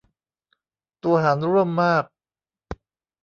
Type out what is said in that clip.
ตัวหารร่วมมาก